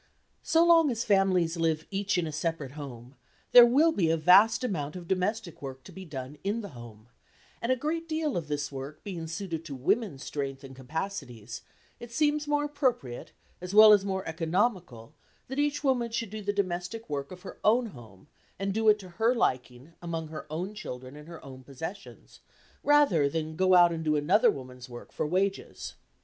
So long as families live each in a separate home there will be a vast amount of domestic work to be done in the home, and a great deal of this work being suited to women's strength and capacities, it seems more appropriate, as well as more economical, that each woman should do the domestic work of her own home, and do it to her liking among her own children and her own possessions, rather than go out and do another woman's work for wages.